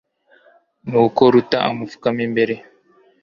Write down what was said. nuko ruta amupfukama imbere